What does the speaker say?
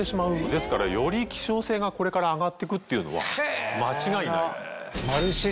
ですからより希少性がこれから上がってくっていうのは間違いない。